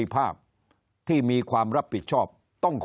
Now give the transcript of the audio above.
คนในวงการสื่อ๓๐องค์กร